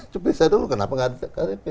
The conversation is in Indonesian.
cepet saya dulu kenapa gak ada ktp